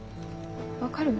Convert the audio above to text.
分かるの？